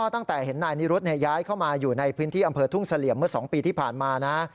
ตั้งแต่เห็นนายนิรุธย้ายเข้ามาอยู่ในพื้นที่อำเภอทุ่งเสลี่ยมเมื่อ๒ปีที่ผ่านมานะ